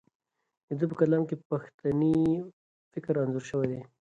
د ده په کلام کې پښتني فکر انځور شوی دی.